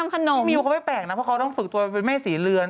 คุณมิวเขาไม่แปลกนะเพราะเขาต้องฝึกตัวแม่สีเรือนเอ๊ะ